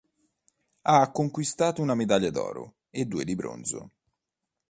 Ha conquistato una medaglia d'oro e due di bronzo.